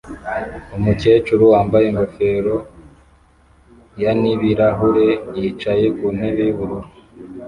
Umukecuru wambaye ingofero yan'ibirahure yicaye ku ntebe y'ubururu